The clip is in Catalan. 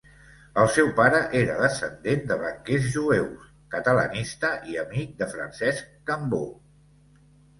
El seu pare era descendent de banquers jueus, catalanista i amic de Francesc Cambó.